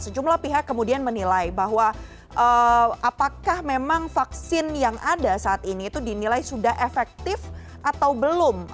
sejumlah pihak kemudian menilai bahwa apakah memang vaksin yang ada saat ini itu dinilai sudah efektif atau belum